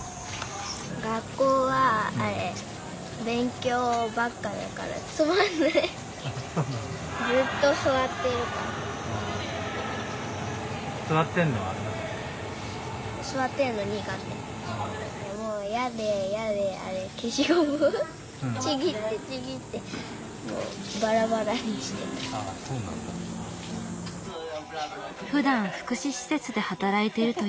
ふだん福祉施設で働いているというお母さん。